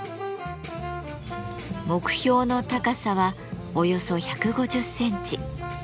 目標の高さはおよそ１５０センチ。